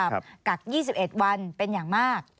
กัก๒๑วันเป็นอย่างมาก